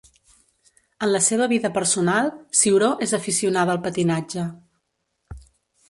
En la seva vida personal, Ciuró és aficionada al patinatge.